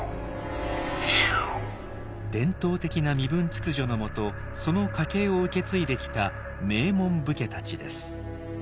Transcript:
伝統的な身分秩序のもとその家系を受け継いできた名門武家たちです。